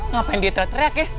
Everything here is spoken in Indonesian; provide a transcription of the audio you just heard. ngapain dia teriak teriak ya